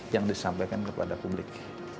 yang disampaikan kepada publik